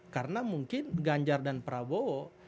karena mungkin ganjar dan prabowo